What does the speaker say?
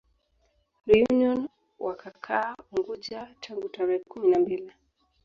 Reunion wakakaa Unguja tangu tarehe kumi na mbili